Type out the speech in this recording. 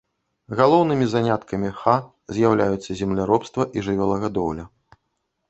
Галоўнымі заняткамі ха з'яўляюцца земляробства і жывёлагадоўля.